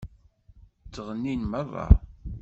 Ttɣennin meṛṛa.